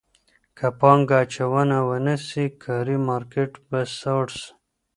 که پانګه اچونه ونه سي کاري مارکېټ به سړ سي.